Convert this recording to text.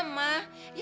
ya ini tiong